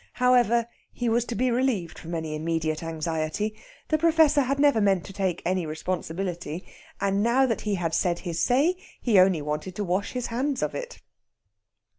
However, he was to be relieved from any immediate anxiety. The Professor had never meant to take any responsibility, and now that he had said his say, he only wanted to wash his hands of it.